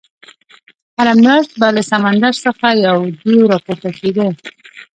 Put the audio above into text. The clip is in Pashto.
هره میاشت به له سمندر څخه یو دېو راپورته کېدی.